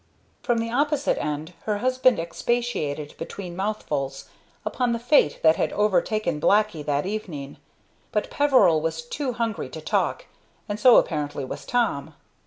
From the opposite end her husband expatiated between mouthfuls upon the fate that had overtaken 'Blacky' that evening, but Peveril was too hungry to talk, and so apparently was Tom.